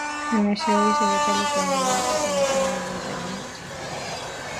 Anashauri serikali kuendelea kuweka mipango iliyothabiti